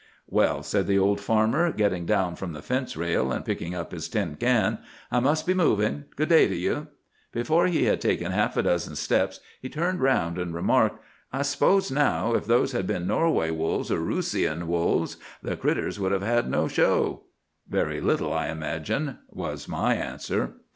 "'Well,' said the old farmer, getting down from the fence rail and picking up his tin can. 'I must be moving. Good day to you.' Before he had taken half a dozen steps he turned round and remarked, 'I suppose, now, if those had been Norway wolves or Roossian wolves, the "critters" would have had no show?' "'Very little, I imagine,' was my answer."